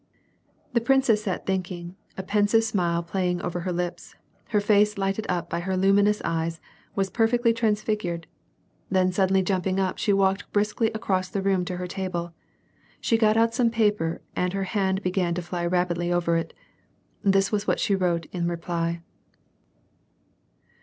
'^ The princess sat thinking, a pensive smile playing over her lips ; her face, lighted up by her luminous eyes, was perfectly transfigured; then suddenly jumping up she walked briskly across the room to her table. She got out some paper and her hand began to fly rapidly over it. This was what she wrote in reply.